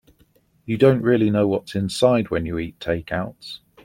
You don't really know what's inside when you eat takeouts.